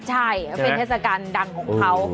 ใช่เขาเป็นเทศกาลดังของเขา